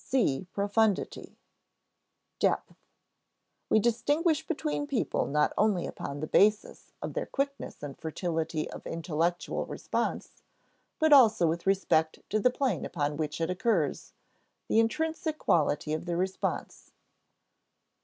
[Sidenote: (c) profundity] (c) Depth. We distinguish between people not only upon the basis of their quickness and fertility of intellectual response, but also with respect to the plane upon which it occurs the intrinsic quality of the response.